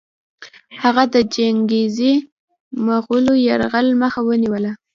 هغه د چنګېزي مغولو د یرغل مخه ونیوله.